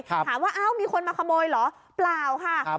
ถามว่าอ้าวมีคนมาขโมยเหรอเปล่าค่ะ